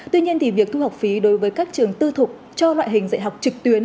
tuy nhiên việc thu học phí đối với các trường tư thục cho loại hình dạy học trực tuyến